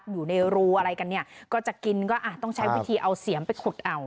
อยู่ในรูอะไรกันเนี่ยก็จะกินก็อ่ะต้องใช้วิธีเอาเสียมไปขุดเอา